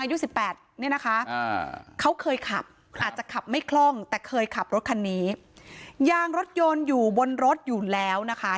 ในยุค๑๘เขาเคยขับอาจจะขับไม่คล่องแต่เคยขับรถคันนี้ยางรถยนต์อยู่บนรถอยู่แล้วนะคะ